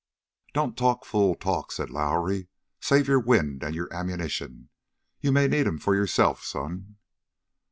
"Don't talk fool talk," said Lowrie. "Save your wind and your ammunition. You may need 'em for yourself, son!"